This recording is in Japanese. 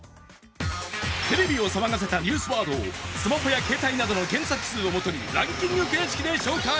テレビを騒がせたニュースワードをスマホや携帯などの検索数を基にランキング形式で紹介。